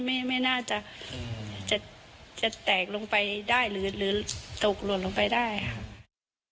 ไม่น่าจะจะแกลงไปได้หรือหลวงไปได้ครับ